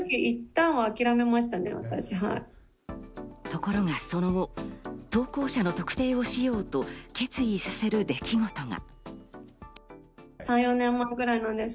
ところがその後、投稿者の特定をしようと決意させる出来事が。